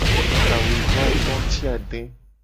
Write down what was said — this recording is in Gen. Kawuivoato ti ade.